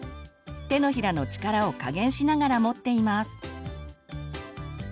手のひらの力を加減しながらもっています。